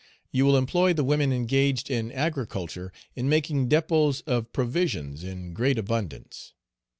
You will employ the women engaged in agriculture in making depôts of provisions in great abundance.